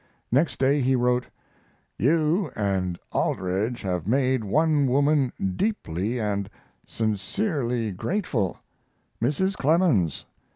Next day he wrote: You and Aldrich have made one woman deeply and sincerely grateful Mrs. Clemens.